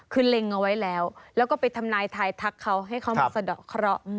คือเล็งเอาไว้แล้วแล้วก็ไปทำนายทายทักเขาให้เขามาสะดอกเคราะห์